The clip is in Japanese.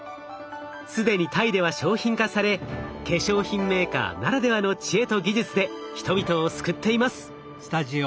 既にタイでは商品化され化粧品メーカーならではの知恵と技術で人々を救っています。